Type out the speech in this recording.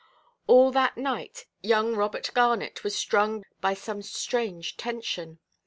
All that night, young Robert Garnet was strung by some strange tension.